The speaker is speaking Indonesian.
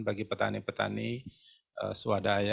bagi petani petani swadaya